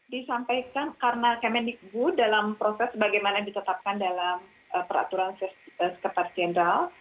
disampaikan karena kemendikbud dalam proses bagaimana ditetapkan dalam peraturan sekretaris jenderal